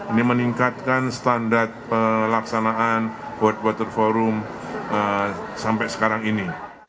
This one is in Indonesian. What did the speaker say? ini meningkatkan standar pelaksanaan world water forum sampai sekarang ini